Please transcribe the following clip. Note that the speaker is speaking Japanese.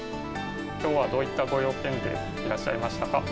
今日はどういったご用件でいらっしゃいましたか。